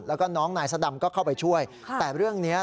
แล้วก็น้องนายสดำก็เข้าไปช่วยแต่เรื่องนี้